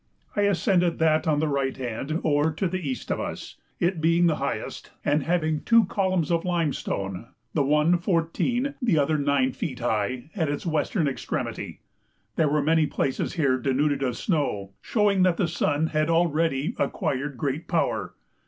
I ascended that on the right hand or to the east of us, it being the highest and having two columns of limestone, the one fourteen, the other nine feet high, at its western extremity. There were many places here denuded of snow, showing that the sun had already acquired great power.